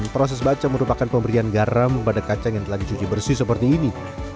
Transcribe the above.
proses baca merupakan pemberian garam pada kacang yang telah dicuci bersih seperti ini